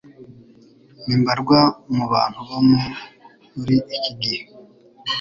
ni mbarwa mu bantu bo muri iki gihe.